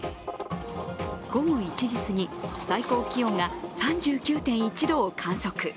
午後１時すぎ最高気温が３９．１度を観測。